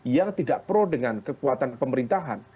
yang tidak pro dengan kekuatan pemerintahan